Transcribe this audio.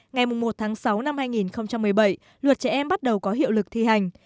ngày một tháng sáu năm hai nghìn một mươi bảy luật trẻ em bắt đầu có hiệu lực thi hành